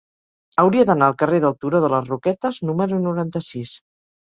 Hauria d'anar al carrer del Turó de les Roquetes número noranta-sis.